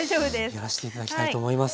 やらして頂きたいと思います。